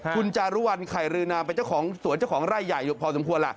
ขุนจารวรข่ายรือนามเป็นสวนเจ้าของไล่ใหญ่พอสมควร